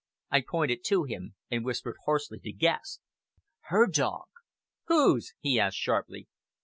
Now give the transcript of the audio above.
I pointed to him, and whispered hoarsely to Guest: "Her dog!" "Whose?" he asked sharply.